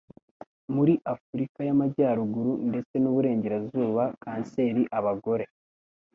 muri Afurika y'Amajyaruguru ndetse n'u Burengerazuba kanseri abagore